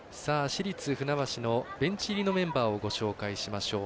市立船橋のベンチ入りのメンバーをご紹介しましょう。